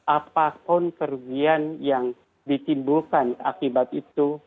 apapun kerugian yang ditimbulkan akibat itu